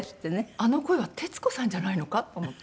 あの声は徹子さんじゃないのかと思って。